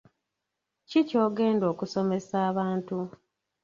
Ki ky'ogenda okusomesa abantu?